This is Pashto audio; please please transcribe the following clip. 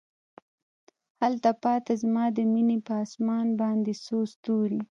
هلته پاته زما د میینې په اسمان باندې څو ستوري